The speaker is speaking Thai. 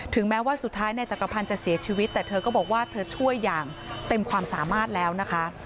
แม้ว่าสุดท้ายนายจักรพันธ์จะเสียชีวิตแต่เธอก็บอกว่าเธอช่วยอย่างเต็มความสามารถแล้วนะคะ